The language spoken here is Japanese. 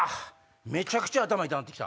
めちゃくちゃ頭痛なって来た！